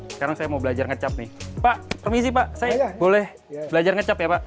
sekarang saya mau belajar ngecap nih pak permisi pak saya boleh belajar ngecap ya pak